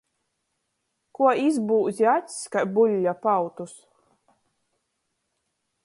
Kuo izbūzi acs kai buļļa pautus?